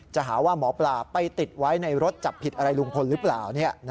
จะหาว่าหมอปลาไปติดไว้ในรถจับผิดอะไรลุงพลหรือเปล่า